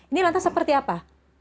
ini lantas seperti apa